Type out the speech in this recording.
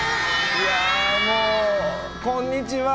いやー、もう、こんにちは。